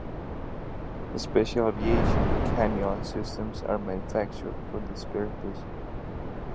Special aviation cannula systems are manufactured for this purpose.